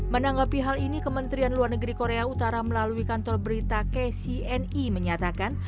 menanggapi hal ini kementerian luar negeri korea utara melalui kantor berita kcni menyatakan